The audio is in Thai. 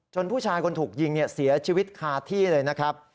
ผู้ชายคนถูกยิงเสียชีวิตคาที่เลยนะครับ